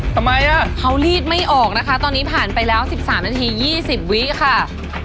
ทำไมเขารีดไม่ออกนะคะตอนนี้ผ่านไปแล้ว๑๓นาที๒๐วิค่ะ